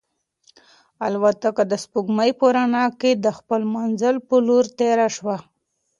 الوتکه د سپوږمۍ په رڼا کې د خپل منزل په لور تېره شوه.